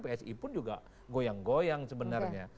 psi pun juga goyang goyang sebenarnya